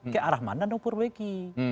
ke arah mana diperbaiki